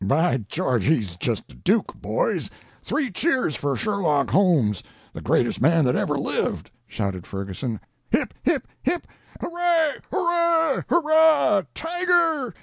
"By George, he's just a duke, boys! Three cheers for Sherlock Holmes, the greatest man that ever lived!" shouted Ferguson. "Hip, hip, hip " "Hurrah! hurrah! hurrah! Tiger!"